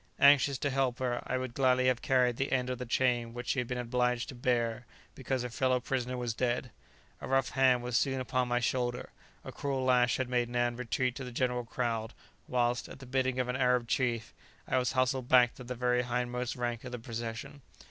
Anxious to help her, I would gladly have carried the end of the chain which she had been obliged to bear because her fellow prisoner was dead. A rough hand was soon upon my shoulder; a cruel lash had made Nan retreat to the general crowd, whilst, at the bidding of an Arab chief, I was hustled back to the very hindmost rank of the procession.